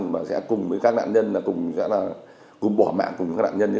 và sẽ cùng với các nạn nhân cũng bỏ mạng cùng các nạn nhân